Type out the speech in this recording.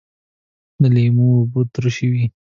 د لیمو اوبه ترشی وي